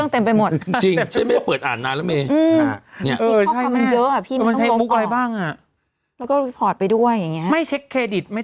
เงี้ยฉันก็ได้